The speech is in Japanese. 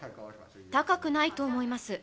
高くないと思います。